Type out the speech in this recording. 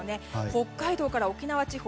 北海道から沖縄地方